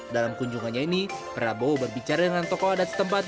dalam kunjungannya ini prabowo berbicara dengan tokoh adat setempat